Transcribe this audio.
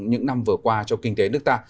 những năm vừa qua cho kinh tế nước ta